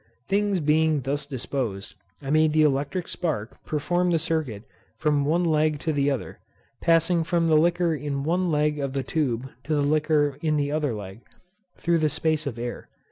Things being thus disposed, I made the electric spark perform the circuit from one leg to the other, passing from the liquor in one leg of the tube to the liquor in the other leg, through the space of air.